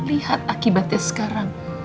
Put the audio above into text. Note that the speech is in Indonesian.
lihat akibatnya sekarang